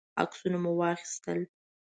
عکسونه مو واخیستل.